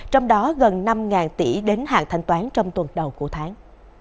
trong đó gần năm tỷ đến hạn thanh toán trong tuần đầu của tháng